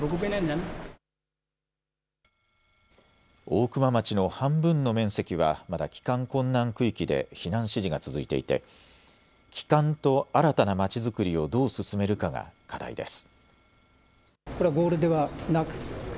大熊町の半分の面積はまだ帰還困難区域で避難指示が続いていて帰還と新たなまちづくりをどう進めるかが課題です。